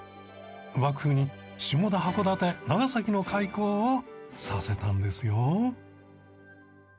幕府に下田函館長崎の開港をさせたんですよ。